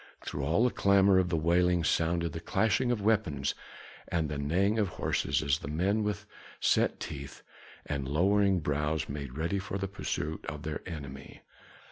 Through all the clamor of the wailing sounded the clashing of weapons and the neighing of horses, as the men with set teeth and lowering brows made ready for the pursuit of their enemy.